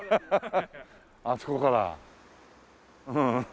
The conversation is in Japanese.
あそこから。